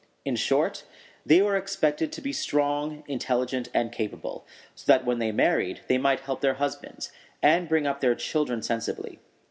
In short, they were expected to be strong, intelligent, and capable, so that when they married they might help their husbands, and bring up their children sensibly.